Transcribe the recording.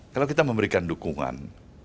kalau kita memberikan dukungan